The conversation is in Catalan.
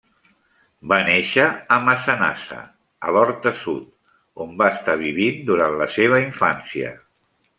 Va néixer a Massanassa a l'Horta Sud, on va estar vivint durant la seva infància.